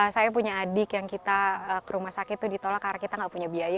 saya punya adik yang kita ke rumah sakit itu ditolak karena kita nggak punya biaya